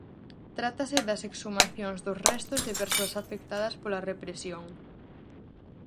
Trátase das exhumacións dos restos de persoas afectadas pola represión.